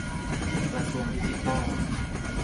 -กระทรวงดิจิทัล